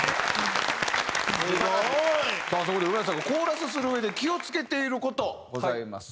すごい！さあそこで植松さんがコーラスするうえで気を付けている事ございます。